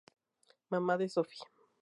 Mamá de Sofi.